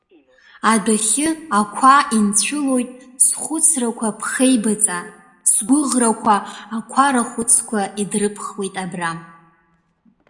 Адәахьы ақәа инцәылоит схәыцрақәа ԥхеибаҵа, сгәыӷрақәа ақәа рахәыцқәа идрыԥхуеит абра.